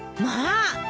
まあ！